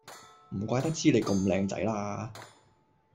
唔怪得知你咁靚仔啦